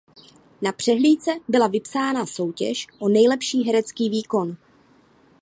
Na přehlídce byla vypsána soutěž o nejlepší herecký výkon.